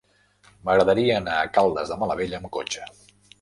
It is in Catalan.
M'agradaria anar a Caldes de Malavella amb cotxe.